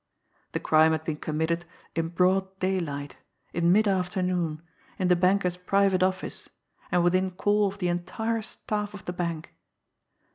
The crime had been committed in broad daylight, in mid afternoon, in the banker's private office, and within call of the entire staff of the bank.